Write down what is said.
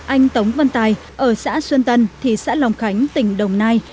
anh tống văn tài ở xã xuân tân thị xã lòng khánh tỉnh đồng nai